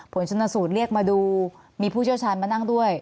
ผลชนสูตรเรียกมาดูมีผู้เชี่ยวชาญมานั่งด้วย